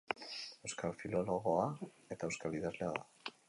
Euskal filologoa eta euskal idazlea da.